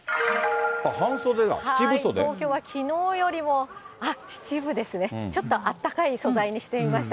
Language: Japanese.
半袖だ、東京はきのうよりも、あっ、七分ですね、ちょっとあったかい素材にしてみました。